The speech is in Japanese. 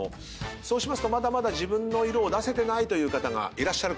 そうしますとまだまだ自分の色出せてないという方がいらっしゃるかと思いますが。